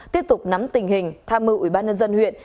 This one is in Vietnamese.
tiếp tục nắm tình hình tham mưu ủy ban nhân dân huyện